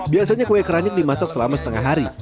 biasanya kue keramik dimasak selama setengah hari